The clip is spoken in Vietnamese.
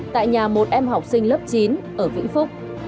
tại nhà một em học sinh lớp chín ở vĩnh phúc